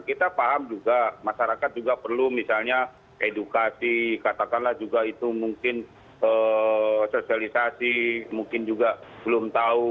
kita paham juga masyarakat juga perlu misalnya edukasi katakanlah juga itu mungkin sosialisasi mungkin juga belum tahu